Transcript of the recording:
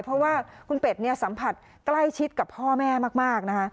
เพราะว่าคุณเป็ดเนี่ยสัมผัสใกล้ชิดกับพ่อแม่มากนะคะ